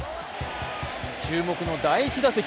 注目の第１打席。